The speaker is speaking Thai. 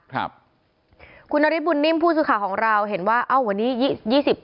ครับคุณนฤทธบุญนิ่มผู้สื่อข่าวของเราเห็นว่าเอ้าวันนี้ยี่ยี่สิบ